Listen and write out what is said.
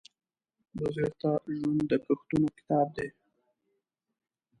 بزګر ته ژوند د کښتونو کتاب دی